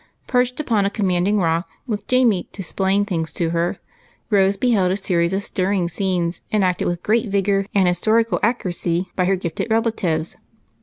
Perched upon a commanding rock, Avith Jamie to " splain " things to her, Rose beheld a series of stir ring scenes enacted with great vigor and historical accuracy by her gifted relatives.